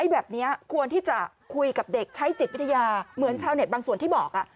แบบนี้ควรที่จะคุยกับเด็กใช้จิตวิทยาเหมือนชาวเน็ตบางส่วนที่บอก